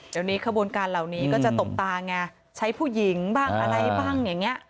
เดี๋ยวนี้ขบวนการเหล่านี้ก็จะตบตาไงใช้ผู้หญิงบ้างอะไรบ้างอย่างนี้